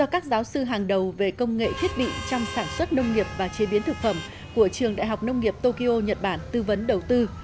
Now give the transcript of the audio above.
do các giáo sư hàng đầu về công nghệ thiết bị trong sản xuất nông nghiệp và chế biến thực phẩm của trường đại học nông nghiệp tokyo nhật bản tư vấn đầu tư